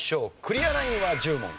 クリアラインは１０問。